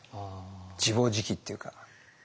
自暴自棄っていうか。